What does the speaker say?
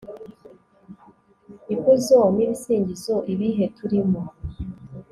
ikuzo n'ibisingizo ibihe turimo